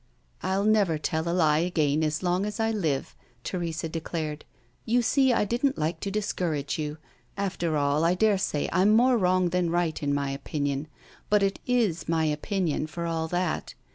"I'll never tell a lie again, as long as I live," Teresa declared. "You see I didn't like to discourage you. After all, I dare say I'm more wrong than right in my opinion. But it is my opinion, for all that.